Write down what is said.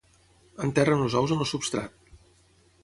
Enterren els ous en el substrat.